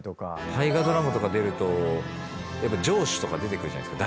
大河ドラマとか出るとやっぱ城主とか出てくるじゃないですか。